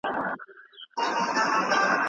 ورنیله